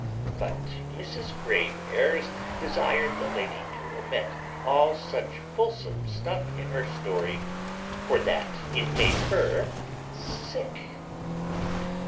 But Mrs Grave airs desired the lady to omit all such fulsome stuff in her story, for that it made her sick.